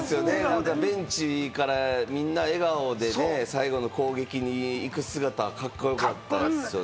ベンチからみんな笑顔でね、最後の攻撃に行く姿、カッコよかったですよね。